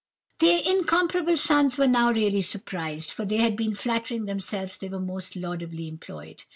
"The incomparable sons were now really surprised, for they had been flattering themselves they were most laudably employed.